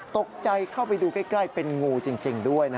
ตกใจเข้าไปดูใกล้เป็นงูจริงด้วย